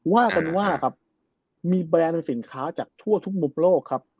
ว่ากันว่าครับมีแบรนด์สินค้าจากทั่วทุกมุมโลกครับ